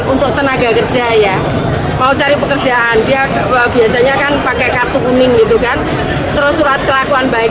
untuk tenaga kerja ya mau cari pekerjaan dia biasanya kan pakai kartu kuning gitu kan terus surat kelakuan baik